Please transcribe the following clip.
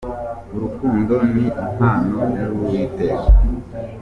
urukundo ni impano y'uwiteka.